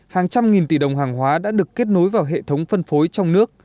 hàng trăm nghìn tỷ đồng hàng hóa đã được kết nối vào hệ thống phân phối trong nước